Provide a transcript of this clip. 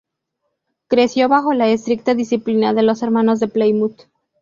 Creció bajo la estricta disciplina de los Hermanos de Plymouth.